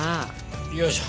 よいしょ。